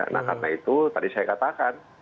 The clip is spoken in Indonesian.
nah karena itu tadi saya katakan